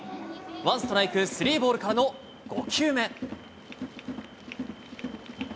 ワンストライクスリーボールからの５球目。